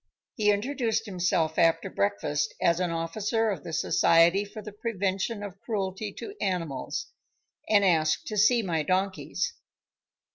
He introduced himself after breakfast as an officer of the Society for the Prevention of Cruelty to Animals, and asked to see my donkeys.